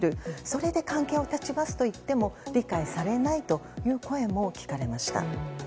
それで関係を断ちますといっても理解されないという声も聞かれました。